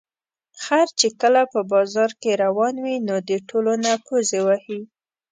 خر چې کله په بازار کې روان وي، نو د ټولو نه پوزې وهي.